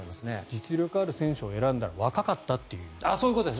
実力ある選手を選んだら若かったという。